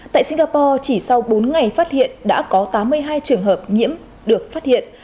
tại singapore chỉ sau bốn ngày phát hiện đã có tám mươi hai trường hợp nhiễm được phát hiện